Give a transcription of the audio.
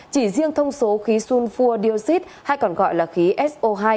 chỉ riêng thông số khí sulfur dioxide hay còn gọi là khí so hai